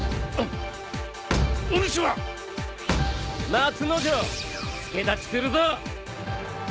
松之丞助太刀するぞ！